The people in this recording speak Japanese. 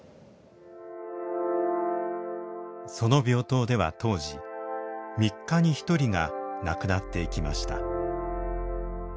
その病棟では当時３日に１人が亡くなっていきました。